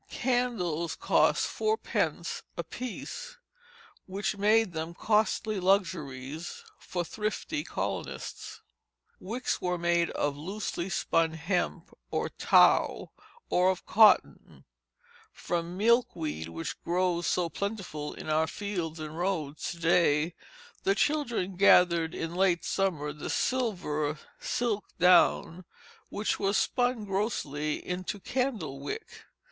Candles cost fourpence apiece, which made them costly luxuries for the thrifty colonists. Wicks were made of loosely spun hemp or tow, or of cotton; from the milkweed which grows so plentifully in our fields and roads to day the children gathered in late summer the silver "silk down" which was "spun grossly into candle wicke."